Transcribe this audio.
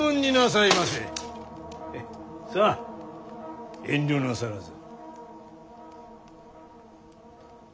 さあ遠慮なさらず。